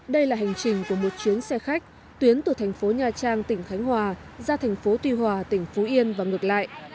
đây là hành trình của một chuyến xe khách tuyến từ thành phố nha trang tỉnh khánh hòa ra thành phố tuy hòa tỉnh phú yên và ngược lại